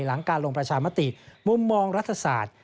หลังการลงประชามติมุมมองรัฐศาสตร์